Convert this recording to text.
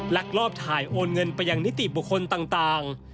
ลักลอบถ่ายโอนเงินไปยังนิติบุคคลต่าง